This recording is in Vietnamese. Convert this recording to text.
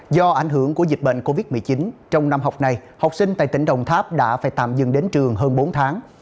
do ảnh hưởng của dịch bệnh covid một mươi chín trong năm học này học sinh tại tỉnh đồng tháp đã phải tạm dừng đến trường hơn bốn tháng